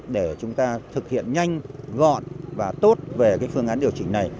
để chúng ta thực hiện nhanh gọn và tốt về cái phương án điều chỉnh này